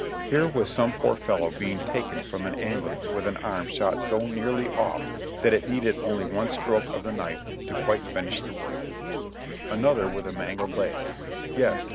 Here was some poor fellow being taken from an ambulance with an arm shot so nearly off that it needed only one stroke of the knife to quite finish the work ; another with a mangled leg — yes